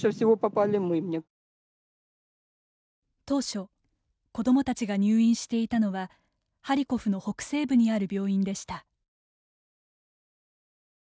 当初、子どもたちが入院していたのはハリコフの北西部にある病院でした。